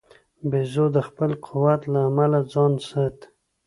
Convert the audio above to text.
بیزو د خپل قوت له امله ځان ساتي.